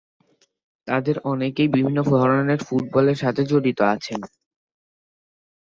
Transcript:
তাদের অনেকেই বিভিন্ন ধরনের ফুটবলের সাথে জড়িত আছেন।